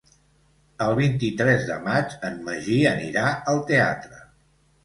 El vint-i-tres de maig en Magí anirà al teatre.